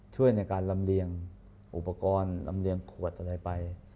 ช่วยในการลำเลียงอุปกรณ์ลำเลียงขวดอะไรไป